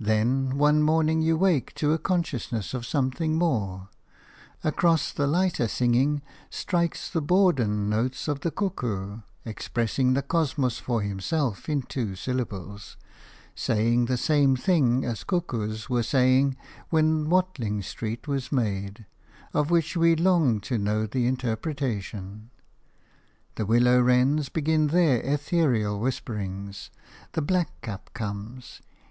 Then one morning you wake to a consciousness of something more; across the lighter singing strikes the bourdon note of the cuckoo, expressing the cosmos for himself in two syllables, saying the same thing as cuckoos were saying when Watling Street was made, of which we long to know the interpretation. The willow wrens begin their ethereal whisperings; the blackcap comes.